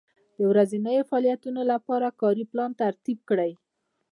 د ورځنیو فعالیتونو لپاره کاري پلان ترتیب کړئ.